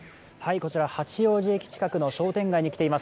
こちら、八王子駅近くの商店街に来ています。